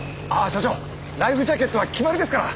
社長ライフジャケットは決まりですから。